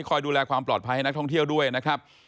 ดูแลความปลอดภัยให้นักท่องเที่ยวด้วยนะครับ